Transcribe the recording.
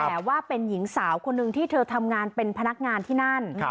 แต่ว่าเป็นหญิงสาวคนหนึ่งที่เธอทำงานเป็นพนักงานที่นั่น